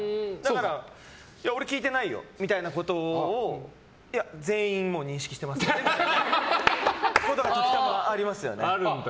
俺、聞いてないよみたいなことを全員、認識してますっていうことが時たまありますよね。